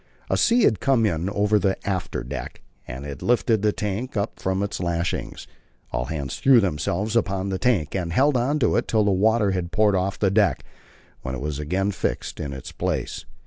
A sea had come in over the after deck, and had lifted the tank up from its lashings. All hands threw themselves upon the tank, and held on to it till the water had poured off the deck, when it was again fixed in its place.